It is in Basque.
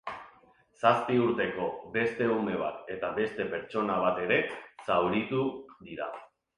Zazpi urteko beste ume bat eta beste pertsona bat ere zauritu dira.